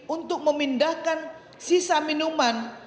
untuk memindahkan sisa minuman